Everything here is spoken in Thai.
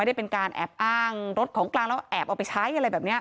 ได้เป็นการแอบอ้างรถของกลางแล้วแอบเอาไปใช้อะไรแบบนี้